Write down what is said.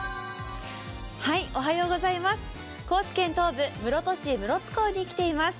高知県東部、室戸市室津港に来ています。